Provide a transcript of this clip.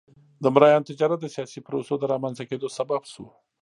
د مریانو تجارت د سیاسي پروسو د رامنځته کېدو سبب شو.